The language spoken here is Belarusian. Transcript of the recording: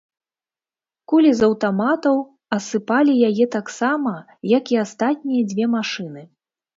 Кулі з аўтаматаў асыпалі яе таксама, як і астатнія дзве машыны.